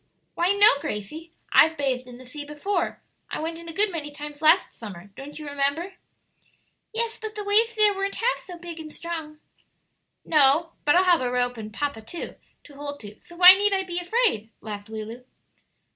"Why no, Gracie; I've bathed in the sea before; I went in a good many times last summer; don't you remember?" "Yes; but the waves there weren't half so big and strong." "No; but I'll have a rope and papa, too, to hold to; so why need I be afraid?" laughed Lulu.